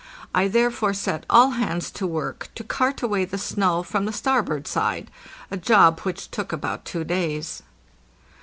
I therefore set all hands to work to cart away the snow from the starboard side—a job which took about two days.